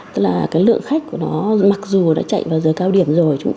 tức là cái lượng khách của nó mặc dù đã chạy vào giờ cao điểm rồi